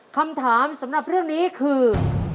คำถามสำหรับเรื่องนี้คือ